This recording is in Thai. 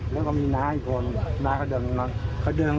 แล้วก็มีหน้าอีกก่อนหน้าขอเด้นเข้าบน